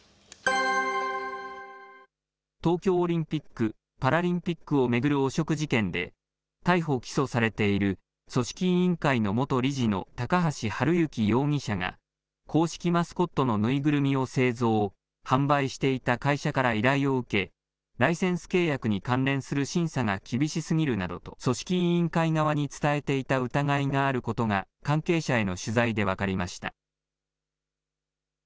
東京オリンピック・パラリンピックを巡る汚職事件で、逮捕・起訴されている組織委員会の元理事の高橋治之容疑者が、公式マスコットの縫いぐるみを製造・販売していた会社から依頼を受け、ライセンス契約に関連する審査が厳しすぎるなどと、組織委員会側に伝えていた疑いがあることが関係者への取材で分かりました。